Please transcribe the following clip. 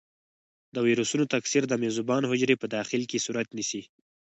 د ویروسونو تکثر د میزبان حجرې په داخل کې صورت نیسي.